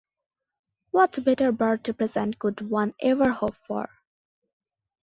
What better birthday present could one ever hope for?